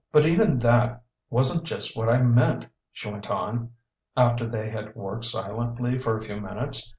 "But even that wasn't just what I meant," she went on, after they had worked silently for a few minutes.